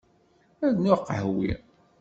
Rnu aqehwi.